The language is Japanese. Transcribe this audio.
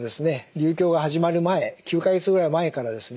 流行が始まる前９か月ぐらい前からですね